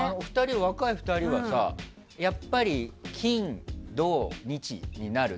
若い２人はやっぱり、金土日になる？